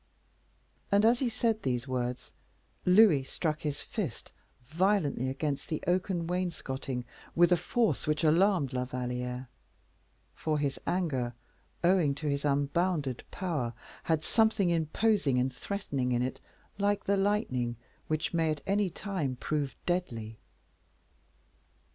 And, as he said these words, Louis struck his fist violently against the oaken wainscoting with a force which alarmed La Valliere; for his anger, owing to his unbounded power, had something imposing and threatening in it, like the lightning, which may at any time prove deadly.